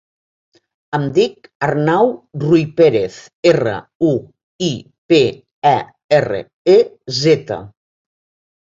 Em dic Arnau Ruiperez: erra, u, i, pe, e, erra, e, zeta.